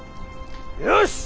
よし！